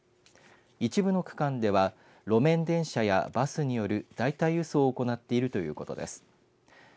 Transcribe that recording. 一部の区間では路面電車やバスによる代替輸送を行っているということです。